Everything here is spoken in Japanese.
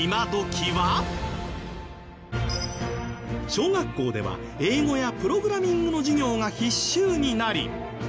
小学校では英語やプログラミングの授業が必修になり。